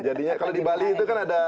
jadinya kalau di bali itu kan ada